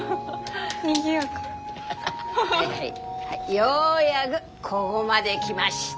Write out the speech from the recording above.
ようやぐこごまで来ました。